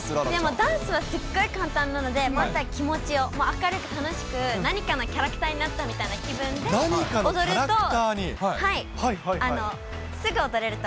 ダンスはすっごい簡単なので、まずは気持ちを明るく楽しく、何かのキャラクターになったみたいな気分で踊ると。